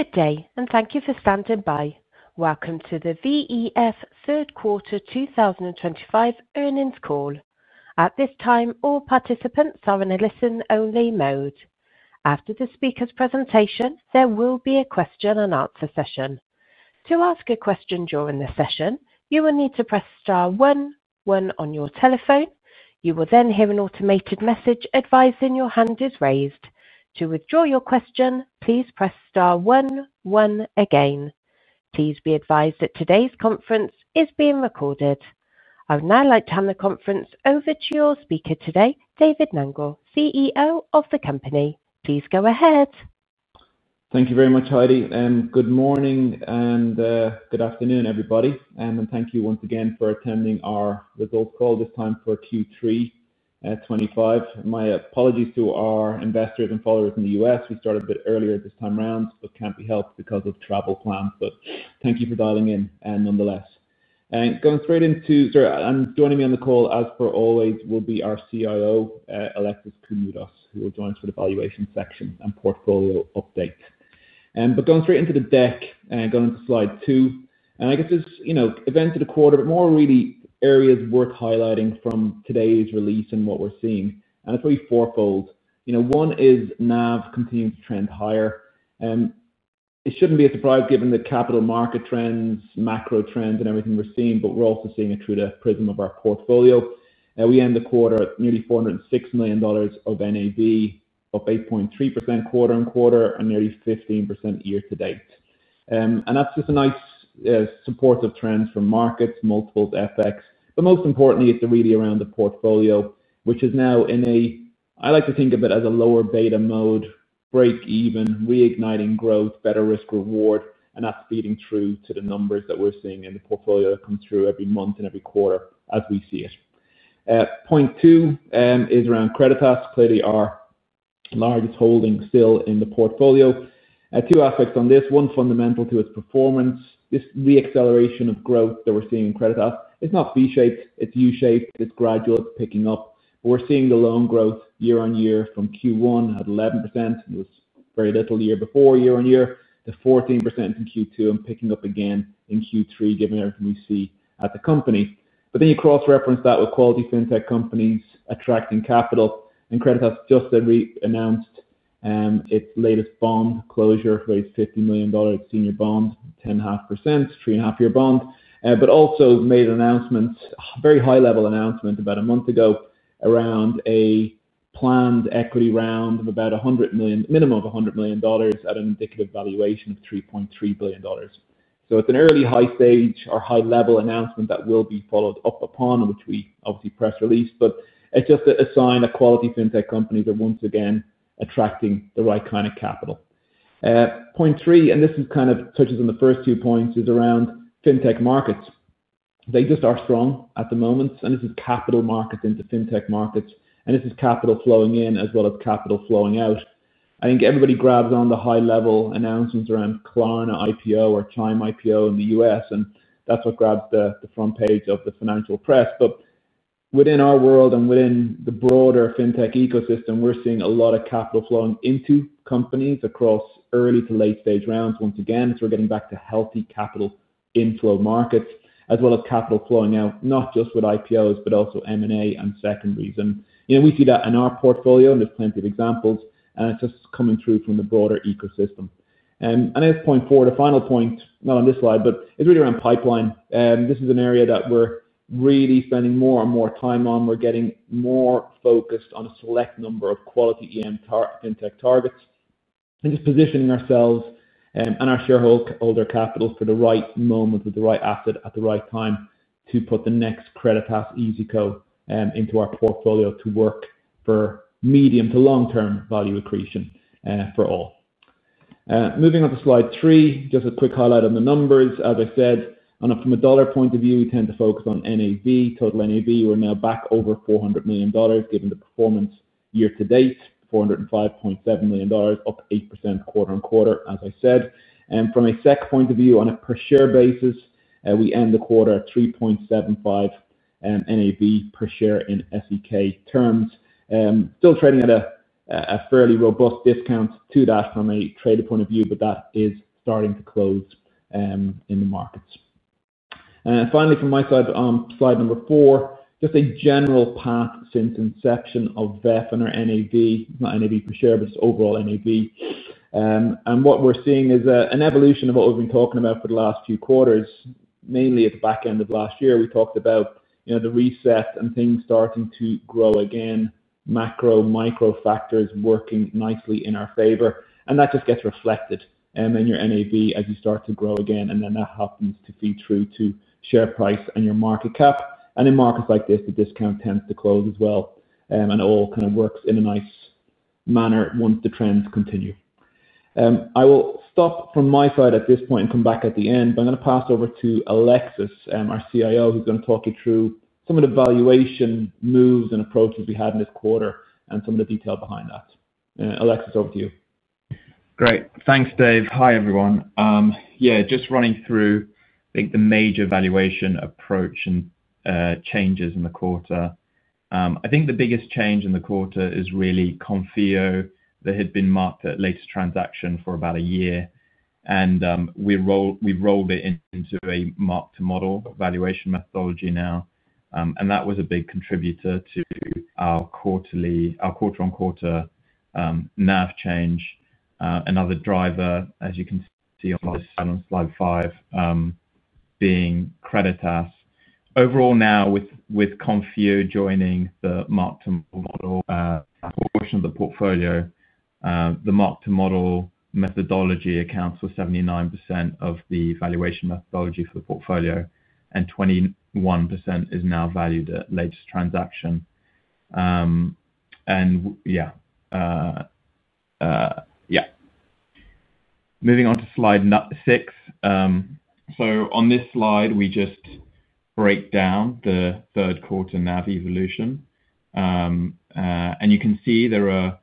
Good day, and thank you for standing by. Welcome to the VEF third quarter 2025 earnings call. At this time, all participants are in a listen-only mode. After the speaker's presentation, there will be a question and answer session. To ask a question during the session, you will need to press star one, one on your telephone. You will then hear an automated message advising your hand is raised. To withdraw your question, please press star one, one again. Please be advised that today's conference is being recorded. I would now like to hand the conference over to your speaker today, David Nangle, CEO of the company. Please go ahead. Thank you very much, Heidi. Good morning and good afternoon, everybody. Thank you once again for attending our results call this time for Q3 2025. My apologies to our investors and followers in the U.S. We started a bit earlier this time around, but it can't be helped because of travel plans. Thank you for dialing in nonetheless. Going straight into the call, joining me, as per always, will be our CIO, Alexis Koumoudos, who will join us for the valuation section and portfolio update. Going straight into the deck, going to slide two, there are events of the quarter, but really more areas worth highlighting from today's release and what we're seeing. It is really four-fold. One is NAV continuing to trend higher. It shouldn't be a surprise given the capital market trends, macro trends, and everything we're seeing, but we're also seeing it through the prism of our portfolio. We end the quarter at nearly $406 million of NAV, up 8.3% quarter on quarter, and nearly 15% year to date. That is just a nice supportive trend from markets, multiples, and FX. Most importantly, it is really around the portfolio, which is now in what I like to think of as a lower beta mode, break-even, reigniting growth, better risk-reward, and that is feeding through to the numbers that we're seeing in the portfolio that come through every month and every quarter as we see it. Point two is around Creditas. Clearly, our largest holding still in the portfolio. Two aspects on this. One, fundamental to its performance, this re-acceleration of growth that we're seeing in Creditas. It is not V-shaped. It is U-shaped. It is gradually picking up. We are seeing the loan growth year on year from Q1 at 11%. It was very little year before, year on year, to 14% in Q2 and picking up again in Q3, given everything we see at the company. You cross-reference that with quality fintech companies attracting capital. Creditas just announced its latest bond closure, raised $50 million in its senior bond, 10.5%, three-and-a-half-year bond. It also made an announcement, a very high-level announcement about a month ago, around a planned equity round of about a minimum of $100 million at an indicative valuation of $3.3 billion. It is an early high-level announcement that will be followed up upon, which we obviously press released. It is just a sign that quality fintech companies are once again attracting the right kind of capital. Point three, and this kind of touches on the first two points, is around fintech markets. They just are strong at the moment. This is capital markets into fintech markets. This is capital flowing in as well as capital flowing out. I think everybody grabs on the high-level announcements around Klarna IPO or Chime IPO in the U.S., and that's what grabs the front page of the financial press. Within our world and within the broader fintech ecosystem, we're seeing a lot of capital flowing into companies across early to late-stage rounds once again. We're getting back to healthy capital inflow markets, as well as capital flowing out, not just with IPOs, but also M&A and second reason. We see that in our portfolio, and there's plenty of examples. It's just coming through from the broader ecosystem. I guess point four, the final point, not on this slide, but it's really around pipeline. This is an area that we're really spending more and more time on. We're getting more focused on a select number of quality fintech targets and just positioning ourselves and our shareholder capital for the right moment with the right asset at the right time to put the next Creditas, Iyzico, into our portfolio to work for medium to long-term value accretion for all. Moving on to slide three, just a quick highlight on the numbers. As I said, from a dollar point of view, we tend to focus on NAV. Total NAV, we're now back over $400 million given the performance year to date, $405.7 million, up 8% quarter on quarter, as I said. From a SEK point of view, on a per share basis, we end the quarter at 3.75 NAV per share in SEK terms. Still trading at a fairly robust discount to that from a trader point of view, but that is starting to close in the markets. Finally, from my side, on slide number four, just a general path since inception of VEF and our NAV. It's not NAV per share, but it's overall NAV. What we're seeing is an evolution of what we've been talking about for the last few quarters. Mainly at the back end of last year, we talked about the reset and things starting to grow again, macro, micro factors working nicely in our favor. That just gets reflected in your NAV as you start to grow again. Then that happens to feed through to share price and your market cap. In markets like this, the discount tends to close as well. It all kind of works in a nice manner once the trends continue. I will stop from my side at this point and come back at the end. I'm going to pass over to Alexis, our CIO, who's going to talk you through some of the valuation moves and approaches we had in this quarter and some of the detail behind that. Alexis, over to you. Great. Thanks, Dave. Hi, everyone. Just running through, I think, the major valuation approach and changes in the quarter. I think the biggest change in the quarter is really Konfío. They had been marked at latest transaction for about a year. We rolled it into a marked model valuation methodology now. That was a big contributor to our quarter-on-quarter NAV change. Another driver, as you can see on slide five, being Creditas. Overall, now with Konfío joining the marked model portion of the portfolio, the marked model methodology accounts for 79% of the valuation methodology for the portfolio. 21% is now valued at latest transaction. Moving on to slide six. On this slide, we just break down the third quarter NAV evolution. You can see there are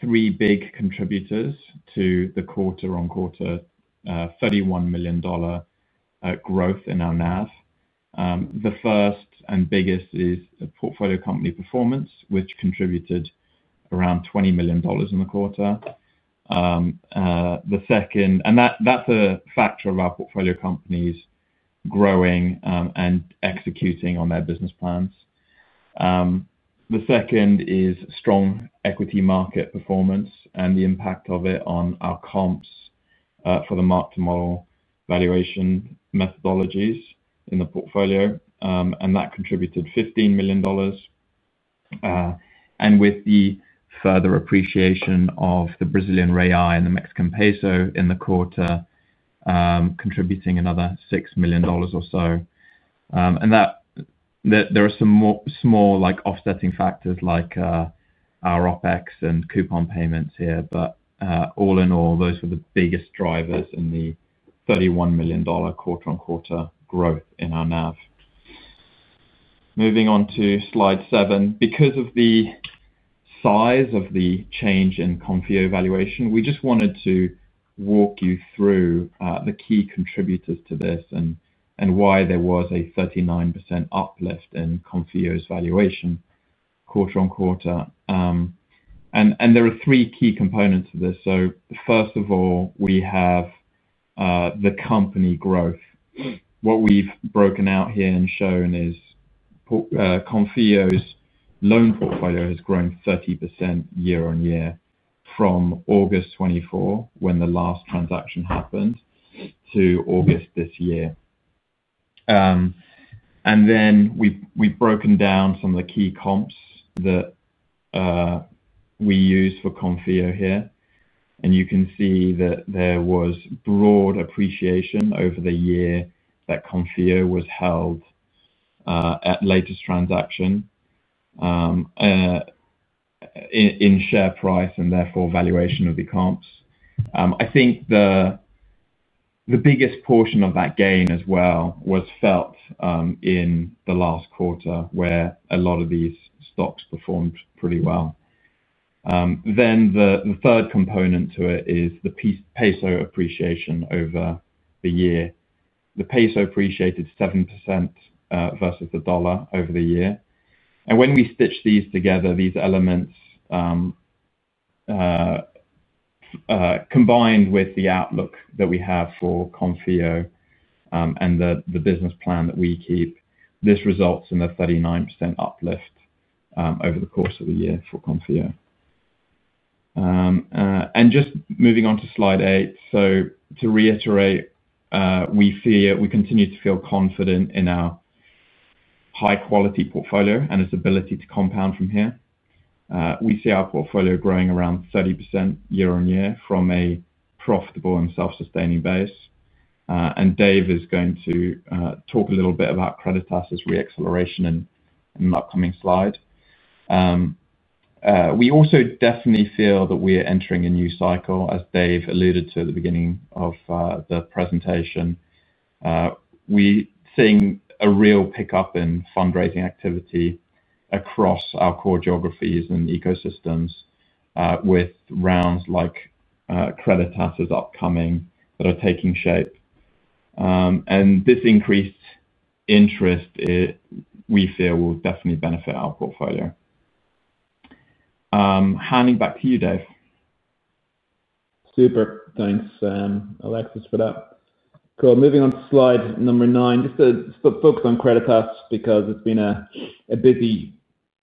three big contributors to the quarter-on-quarter $31 million growth in our NAV. The first and biggest is the portfolio company performance, which contributed around $20 million in the quarter. That's a factor of our portfolio companies growing and executing on their business plans. The second is strong equity market performance and the impact of it on our comps for the marked model valuation methodologies in the portfolio. That contributed $15 million. With the further appreciation of the Brazilian real and the Mexican peso in the quarter, contributing another $6 million or so. There are some small offsetting factors like our OpEx and coupon payments here. All in all, those were the biggest drivers in the $31 million quarter-on-quarter growth in our NAV. Moving on to slide seven. Because of the size of the change in Konfío valuation, we just wanted to walk you through the key contributors to this and why there was a 39% uplift in Konfío's valuation quarter-on-quarter. There are three key components of this. First of all, we have the company growth. What we've broken out here and shown is Konfío's loan portfolio has grown 30% year-on-year from August 2023 when the last transaction happened to August this year. Then we've broken down some of the key comps that we use for Konfío here. You can see that there was broad appreciation over the year that Konfío was held at latest transaction in share price and therefore valuation of the comps. I think the biggest portion of that gain as well was felt in the last quarter where a lot of these stocks performed pretty well. The third component to it is the peso appreciation over the year. The peso appreciated 7% versus the dollar over the year. When we stitch these together, these elements combined with the outlook that we have for Konfío and the business plan that we keep, this results in a 39% uplift over the course of the year for Konfío. Moving on to slide eight. To reiterate, we continue to feel confident in our high-quality portfolio and its ability to compound from here. We see our portfolio growing around 30% year on year from a profitable and self-sustaining base. Dave is going to talk a little bit about Creditas's re-acceleration in an upcoming slide. We also definitely feel that we are entering a new cycle, as Dave alluded to at the beginning of the presentation. We're seeing a real pickup in fundraising activity across our core geographies and ecosystems with rounds like Creditas's upcoming that are taking shape. This increased interest we feel will definitely benefit our portfolio. Handing back to you, Dave. Super. Thanks, Alexis, for that. Cool. Moving on to slide number nine, just to focus on Creditas because it's been a busy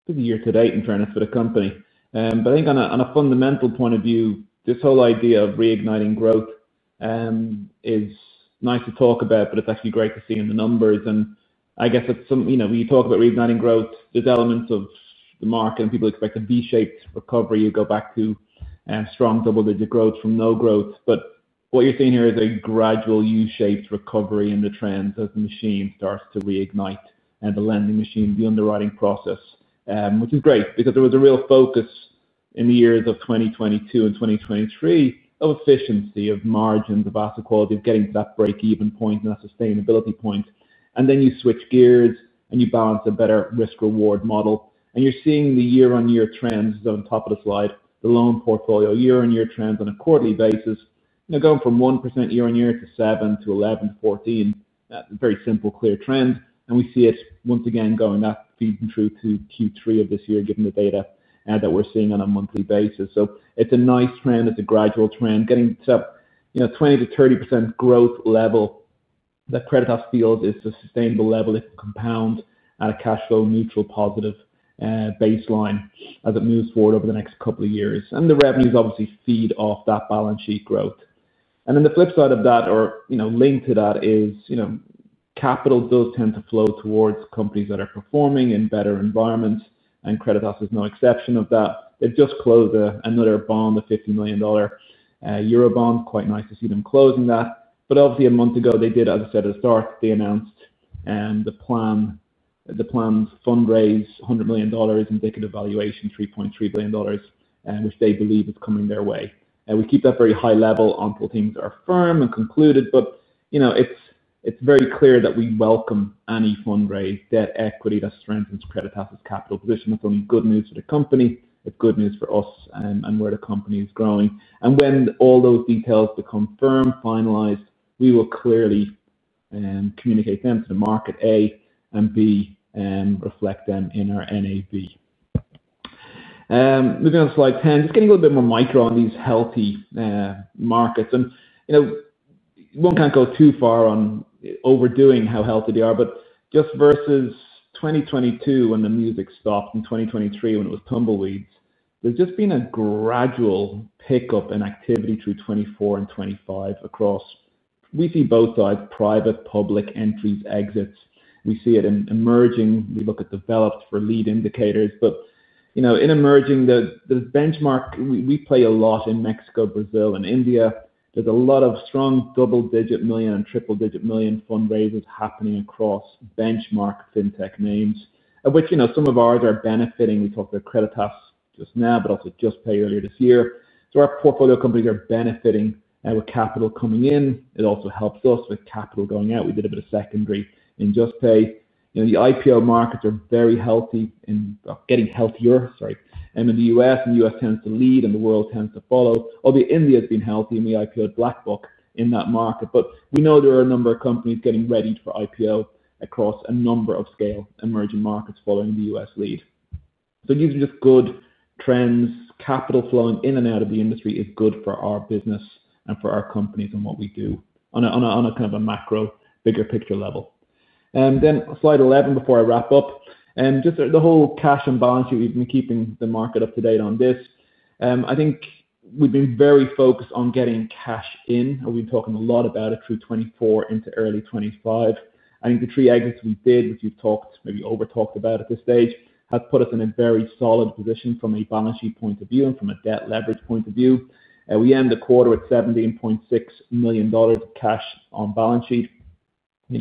year to date and fairness for the company. I think on a fundamental point of view, this whole idea of reigniting growth is nice to talk about, but it's actually great to see in the numbers. I guess when you talk about reigniting growth, there's elements of the market and people expect a V-shaped recovery. You go back to strong double-digit growth from no growth. What you're seeing here is a gradual U-shaped recovery in the trends as the machine starts to reignite and the lending machine, the underwriting process, which is great because there was a real focus in the years of 2022 and 2023 of efficiency, of margins, of asset quality, of getting to that break-even point and that sustainability point. You switch gears and you balance a better risk-reward model. You're seeing the year-on-year trends on top of the slide, the loan portfolio year-on-year trends on a quarterly basis, going from 1% year on year to 7% to 11% to 14%. That's a very simple, clear trend. We see it once again going up, feeding through to Q3 of this year, given the data that we're seeing on a monthly basis. It's a nice trend. It's a gradual trend getting to 20% to 30% growth level. The Creditas field is a sustainable level if you compound at a cash flow neutral positive baseline as it moves forward over the next couple of years. The revenues obviously feed off that balance sheet growth. The flip side of that or linked to that is capital does tend to flow towards companies that are performing in better environments. Creditas is no exception of that. They've just closed another bond, a $50 million euro bond. Quite nice to see them closing that. Obviously, a month ago, they did, as I said at the start, they announced the planned fundraise, $100 million indicative valuation, $3.3 billion, which they believe is coming their way. We keep that very high level until things are firm and concluded. It's very clear that we welcome any fundraise, debt, equity that strengthens Creditas's capital position. That's only good news for the company. It's good news for us and where the company is growing. When all those details become firm, finalized, we will clearly communicate them to the market A and B and reflect them in our NAV. Moving on to slide 10, just getting a little bit more micro on these healthy markets. One can't go too far on overdoing how healthy they are. Just versus 2022 when the music stopped and 2023 when it was tumbleweeds, there's just been a gradual pickup in activity through 2024 and 2025 across. We see both sides, private, public entries, exits. We see it in emerging. We look at developed for lead indicators. In emerging, there's benchmark. We play a lot in Mexico, Brazil, and India. There's a lot of strong double-digit million and triple-digit million fundraisers happening across benchmark fintech names, which some of ours are benefiting. We talked about Creditas just now, but also Juspay earlier this year. Our portfolio companies are benefiting with capital coming in. It also helps us with capital going out. We did a bit of secondary in Juspay. The IPO markets are very healthy and getting healthier, in the U.S. The U.S. tends to lead and the world tends to follow. Although India has been healthy and we IPO'd BlackBuck in that market. There are a number of companies getting ready for IPO across a number of scale emerging markets following the U.S. lead. These are just good trends. Capital flowing in and out of the industry is good for our business and for our companies and what we do on a macro, bigger picture level. Slide 11 before I wrap up. The whole cash and balance sheet, we've been keeping the market up to date on this. I think we've been very focused on getting cash in. We've been talking a lot about it through 2024 into early 2025. The three exits we did, which we've maybe over-talked about at this stage, have put us in a very solid position from a balance sheet point of view and from a debt leverage point of view. We end the quarter at $17.6 million of cash on balance sheet.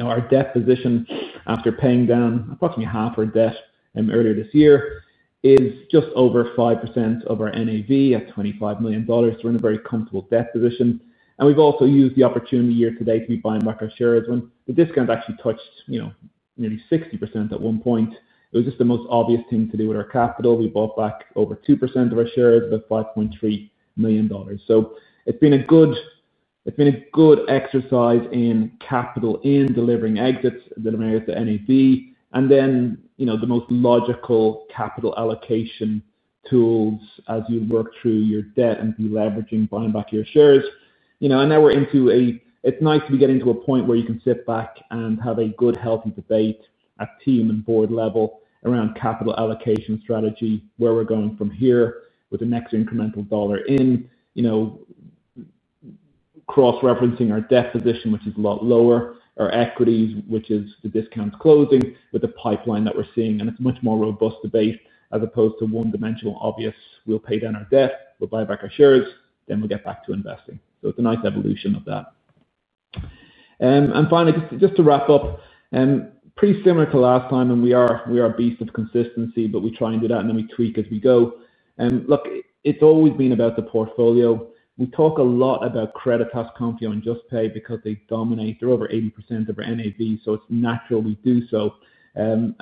Our debt position after paying down approximately half our debt earlier this year is just over 5% of our net asset value at $25 million. We're in a very comfortable debt position. We've also used the opportunity year to date to be buying record shares when the discount actually touched nearly 60% at one point. It was just the most obvious thing to do with our capital. We bought back over 2% of our shares with $5.3 million. It's been a good exercise in capital in delivering exits, delivering exits to net asset value, and then the most logical capital allocation tools as you work through your debt and deleveraging buying back your shares. Now we're into a point where you can sit back and have a good, healthy debate at team and board level around capital allocation strategy, where we're going from here with the next incremental dollar in, cross-referencing our debt position, which is a lot lower, our equities, which is the discounts closing with the pipeline that we're seeing. It is a much more robust debate as opposed to one-dimensional, obvious, we'll pay down our debt, we'll buy back our shares, then we'll get back to investing. It is a nice evolution of that. Finally, just to wrap up, pretty similar to last time, and we are a beast of consistency, but we try and do that and then we tweak as we go. Look, it's always been about the portfolio. We talk a lot about Creditas, Konfío, and Juspay because they dominate. They're over 80% of our NAV. It is natural we do so. The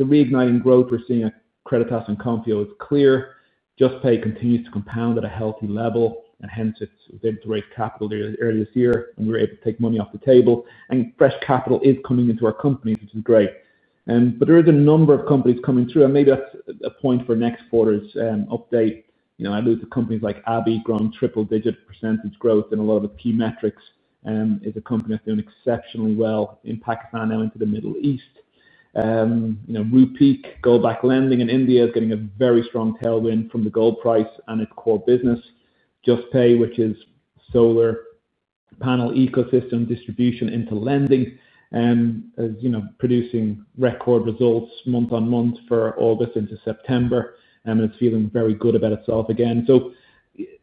reigniting growth we're seeing at Creditas and Konfío is clear. Juspay continues to compound at a healthy level. Hence, it's able to raise capital earlier this year. We were able to take money off the table. Fresh capital is coming into our companies, which is great. There is a number of companies coming through. Maybe that's a point for next quarter's update. I believe the companies like Abhi growing triple-digit percentage growth in a lot of its key metrics. It's a company that's doing exceptionally well in Pakistan and into the Middle East. Rupeek, gold-backed lending in India is getting a very strong tailwind from the gold price and its core business. Juspay, which is solar panel ecosystem distribution into lending, is producing record results month on month for August into September. It is feeling very good about itself again.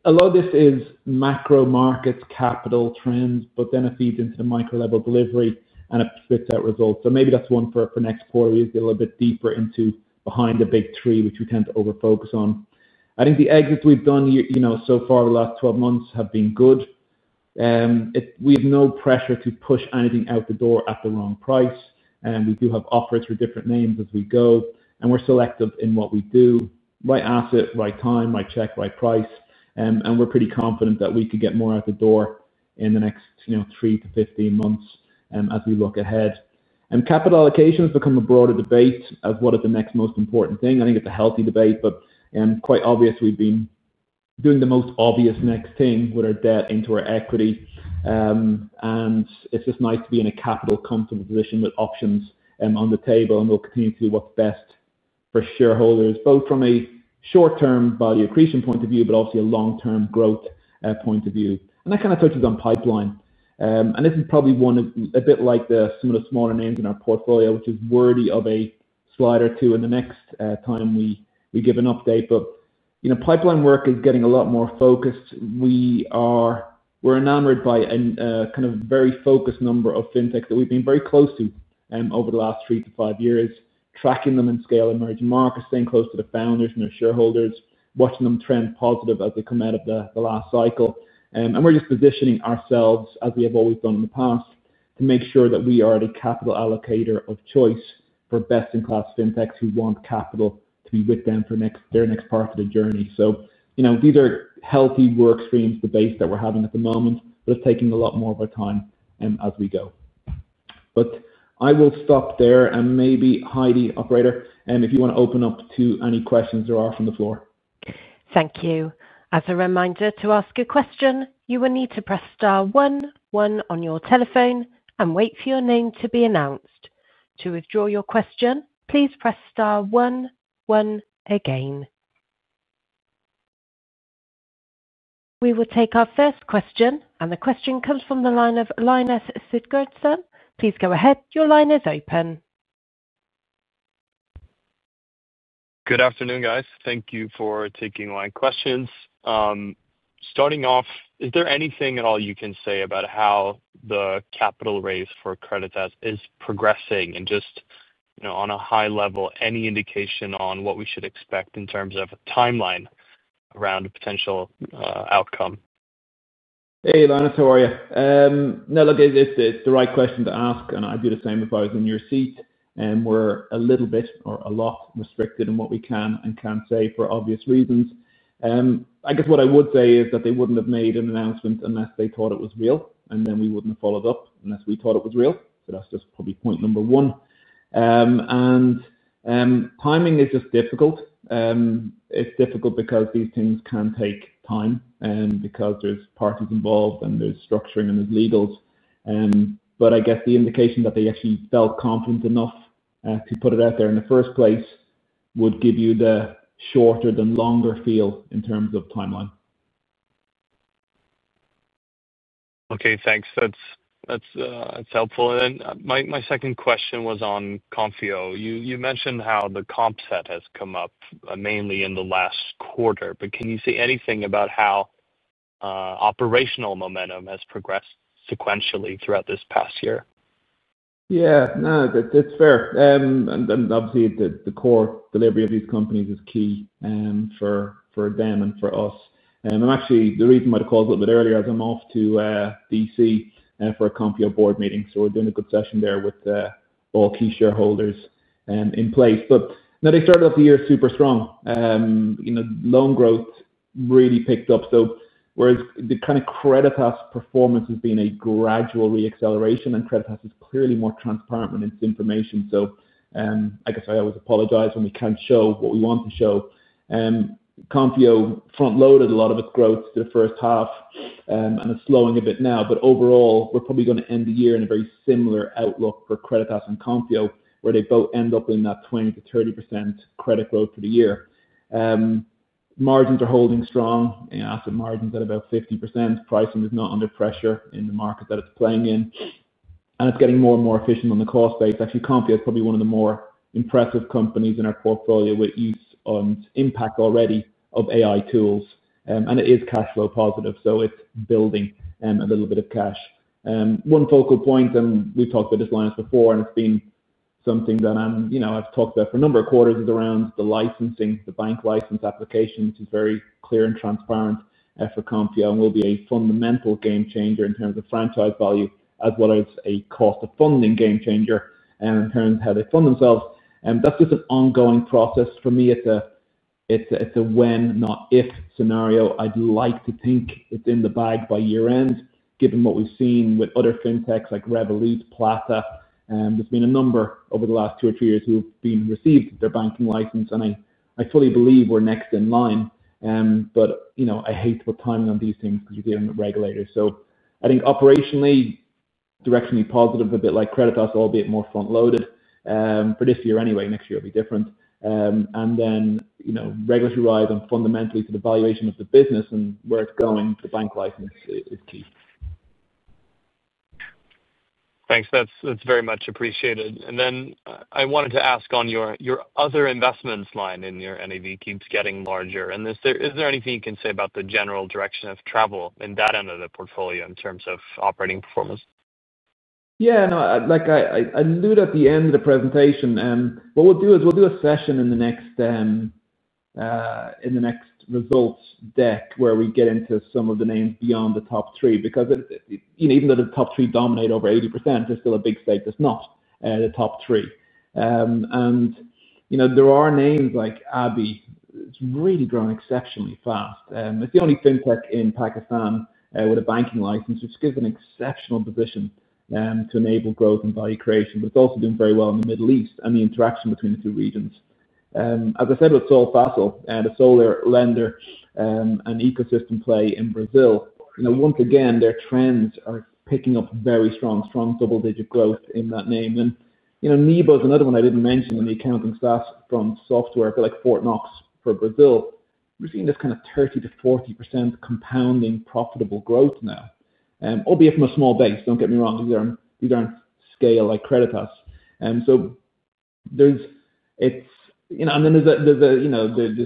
A lot of this is macro markets capital trends, but then it feeds into the micro level delivery and it spits out results. Maybe that's one for next quarter. We need to get a little bit deeper into behind the big three, which we tend to over-focus on. I think the exits we've done so far over the last 12 months have been good. We have no pressure to push anything out the door at the wrong price. We do have offers for different names as we go. We're selective in what we do, right asset, right time, right check, right price. We're pretty confident that we could get more out the door in the next 3 to 15 months as we look ahead. Capital allocation has become a broader debate of what is the next most important thing. I think it's a healthy debate. Quite obviously, we've been doing the most obvious next thing with our debt into our equity. It's just nice to be in a capital comfortable position with options on the table. We'll continue to do what's best for shareholders, both from a short-term value accretion point of view and a long-term growth point of view. That kind of touches on pipeline. This is probably a bit like the similar smaller names in our portfolio, which is worthy of a slide or two the next time we give an update. Pipeline work is getting a lot more focused. We're enamored by a very focused number of fintechs that we've been very close to over the last three to five years, tracking them in scale emerging markets, staying close to the founders and their shareholders, watching them trend positive as they come out of the last cycle. We're just positioning ourselves as we have always done in the past to make sure that we are the capital allocator of choice for best-in-class fintechs who want capital to be with them for their next part of the journey. These are healthy work streams, the base that we're having at the moment, but it's taking a lot more of our time as we go. I will stop there. Maybe, Heidi, operator, if you want to open up to any questions there are from the floor. Thank you. As a reminder, to ask a question, you will need to press star one, one on your telephone, and wait for your name to be announced. To withdraw your question, please press star one, one again. We will take our first question. The question comes from the line of [Lionel Sitgardston]. Please go ahead. Your line is open. Good afternoon, guys. Thank you for taking my questions. Starting off, is there anything at all you can say about how the capital raise for Creditas is progressing? At a high level, any indication on what we should expect in terms of a timeline around a potential outcome? Hey, Lionel. How are you? It's the right question to ask. I'd do the same if I was in your seat. We're a little bit or a lot restricted in what we can and can't say for obvious reasons. I guess what I would say is that they wouldn't have made an announcement unless they thought it was real. We wouldn't have followed up unless we thought it was real. That's just probably point number one. Timing is just difficult. It's difficult because these things can take time because there's parties involved and there's structuring and there's legals. I guess the indication that they actually felt confident enough to put it out there in the first place would give you the shorter than longer feel in terms of timeline. Okay. Thanks. That's helpful. My second question was on Konfío. You mentioned how the comp set has come up mainly in the last quarter. Can you say anything about how operational momentum has progressed sequentially throughout this past year? Yeah. No, that's fair. Obviously, the core delivery of these companies is key for them and for us. Actually, the reason why I called a little bit earlier is I'm off to D.C. for a Konfío board meeting. We're doing a good session there with all key shareholders in place. They started off the year super strong. Loan growth really picked up. Whereas the kind of Creditas performance has been a gradual re-acceleration, and Creditas is clearly more transparent with its information. I always apologize when we can't show what we want to show. Konfío front-loaded a lot of its growth to the first half, and it's slowing a bit now. Overall, we're probably going to end the year in a very similar outlook for Creditas and Konfío, where they both end up in that 20%-30% credit growth for the year. Margins are holding strong. Asset margins at about 50%. Pricing is not under pressure in the market that it's playing in, and it's getting more and more efficient on the cost base. Actually, Konfío is probably one of the more impressive companies in our portfolio with use on impact already of AI tools, and it is cash flow positive. It's building a little bit of cash. One focal point, and we've talked about this line as before, and it's been something that I've talked about for a number of quarters, is around the licensing, the bank license application, which is very clear and transparent for Konfío and will be a fundamental game changer in terms of franchise value, as well as a cost of funding game changer in terms of how they fund themselves. That's just an ongoing process. For me, it's a when, not if scenario. I'd like to think it's in the bag by year end, given what we've seen with other fintechs like Revolut, Plata. There have been a number over the last two or three years who have received their banking license, and I fully believe we're next in line. I hate the timing on these things because you're dealing with regulators. I think operationally, directionally positive, a bit like Creditas, albeit more front-loaded for this year anyway. Next year will be different. Regulatory-wise and fundamentally to the valuation of the business and where it's going, the bank license is key. Thanks. That's very much appreciated. I wanted to ask on your other investments line, and your NAV keeps getting larger. Is there anything you can say about the general direction of travel in that end of the portfolio in terms of operating performance? Yeah. No, like I alluded at the end of the presentation, what we'll do is we'll do a session in the next results deck where we get into some of the names beyond the top three. Because even though the top three dominate over 80%, there's still a big stake that's not the top three. You know there are names like Abhi. It's really grown exceptionally fast. It's the only fintech in Pakistan with a banking license, which gives an exceptional position to enable growth and value creation. It's also doing very well in the Middle East and the interaction between the two regions. As I said, with Solfácil, the solar lender and ecosystem play in Brazil, once again, their trends are picking up very strong, strong double-digit growth in that name. Nibo is another one I didn't mention in the accounting SaaS from software, but like Fort Knox for Brazil, we're seeing this kind of 30%-40% compounding profitable growth now, albeit from a small base. Don't get me wrong. These aren't scale like Creditas. There are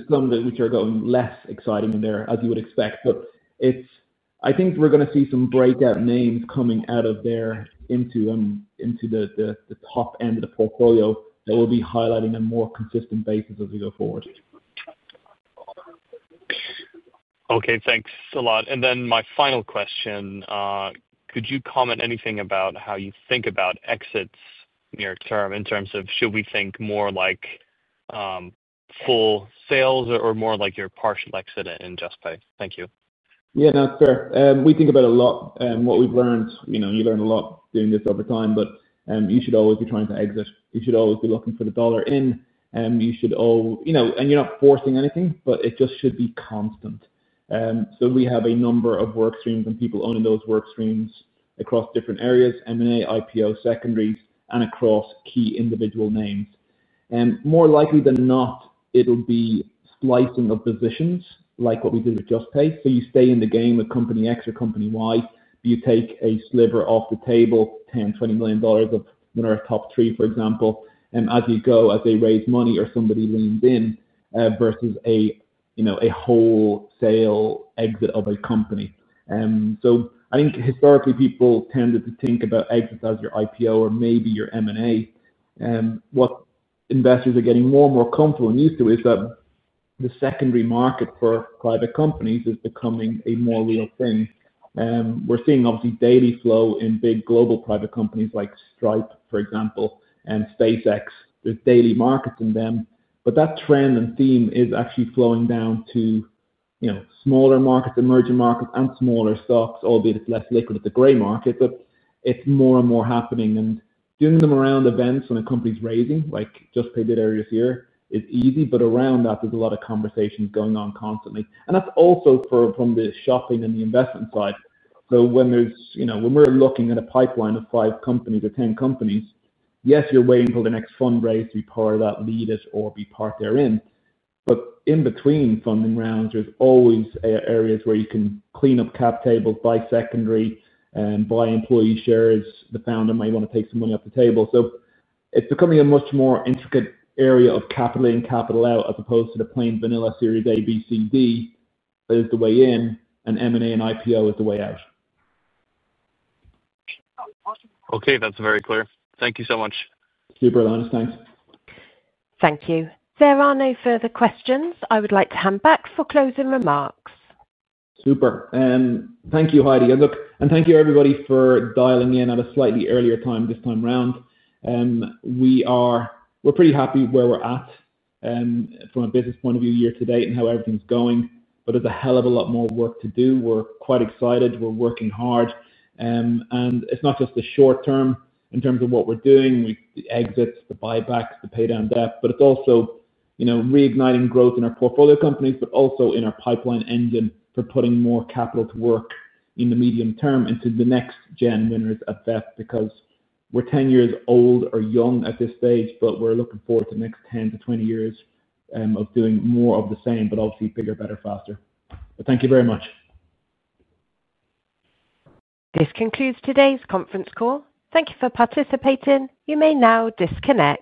some which are going less exciting in there, as you would expect. I think we're going to see some breakout names coming out of there into the top end of the portfolio that we'll be highlighting on a more consistent basis as we go forward. Okay. Thanks a lot. My final question, could you comment anything about how you think about exits near term in terms of should we think more like full sales or more like your partial exit in Juspay? Thank you. Yeah. No, it's fair. We think about it a lot and what we've learned. You learn a lot doing this over time. You should always be trying to exit. You should always be looking for the dollar in. You're not forcing anything, but it just should be constant. We have a number of work streams and people owning those work streams across different areas, M&A, IPO, secondaries, and across key individual names. More likely than not, it'll be slicing of positions like what we did with Juspay. You stay in the game with company X or company Y, but you take a sliver off the table, $10 million, $20 million of one of our top three, for example, as you go, as they raise money or somebody leans in versus a wholesale exit of a company. I think historically, people tended to think about exits as your IPO or maybe your M&A. What investors are getting more and more comfortable and used to is that the secondary market for private companies is becoming a more real thing. We're seeing obviously daily flow in big global private companies like Stripe, for example, and SpaceX. There's daily markets in them. That trend and theme is actually flowing down to smaller markets, emerging markets, and smaller stocks, albeit it's less liquid at the gray market. It's more and more happening. Doing them around events when a company is raising, like Juspay did earlier this year, is easy. Around that, there's a lot of conversations going on constantly. That's also from the shopping and the investment side. When we're looking at a pipeline of five companies or 10 companies, yes, you're waiting for the next fundraise to be part of that lead or be part therein. In between funding rounds, there's always areas where you can clean up cap tables, buy secondary, and buy employee shares. The founder might want to take some money off the table. It's becoming a much more intricate area of capital in, capital out, as opposed to the plain vanilla Series A, B, C, D that is the way in, and M&A and IPO is the way out. Okay, that's very clear. Thank you so much. Super, Lionel. Thanks. Thank you. There are no further questions. I would like to hand back for closing remarks. Super. Thank you, Heidi. Thank you, everybody, for dialing in at a slightly earlier time this time around. We're pretty happy where we're at from a business point of view year to date and how everything's going. There's a hell of a lot more work to do. We're quite excited. We're working hard. It's not just the short term in terms of what we're doing, the exits, the buybacks, the pay down debt, but it's also reigniting growth in our portfolio companies and in our pipeline engine for putting more capital to work in the medium term into the next gen winners at VEF because we're 10 years old or young at this stage. We're looking forward to the next 10 to 20 years of doing more of the same, obviously bigger, better, faster. Thank you very much. This concludes today's conference call. Thank you for participating. You may now disconnect.